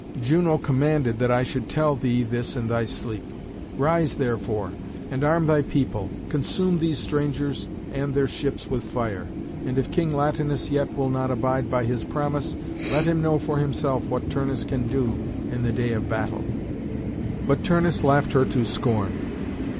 Juno commanded that I should tell thee this in thy sleep. Rise, therefore, and arm thy people. Consume these strangers and their ships with fire. And if King Latinus yet will not abide by his promise, let him know for himself what Turnus can do in the day of battle." But Turnus laughed her to scorn.